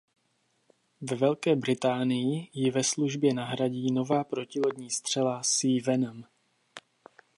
Ve Velké Británii ji ve službě nahradí nová protilodní střela Sea Venom.